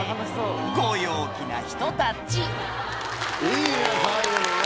ご陽気な人たちいいね最後のね。